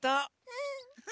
うん。